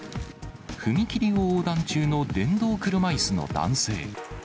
踏切を横断中の電動車いすの男性。